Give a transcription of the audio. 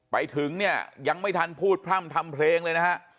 ไปถึงเนี่ยยังไม่ทันพูดพร่ำทำเพลงเลยนะฮะ